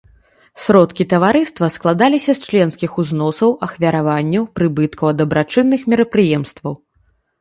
Сродкі таварыства складаліся з членскіх узносаў, ахвяраванняў, прыбыткаў ад дабрачынных мерапрыемстваў.